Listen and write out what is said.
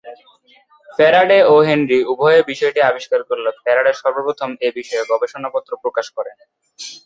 Faraday ও Henry উভয়ে বিষয়টি আবিষ্কার করলেও ফ্যারাডে সর্বপ্রথম এ বিষয়ে গবেষণাপত্র প্রকাশ করেন।